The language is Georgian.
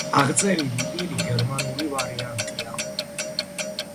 აღწერილი პირი გერმანული ვარიანტია.